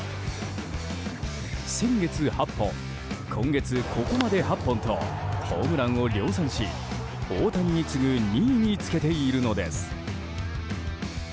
先月８本、今月ここまで８本とホームランを量産し、大谷に次ぐ２位につけているのです。